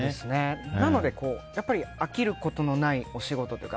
なので飽きることのないお仕事というか。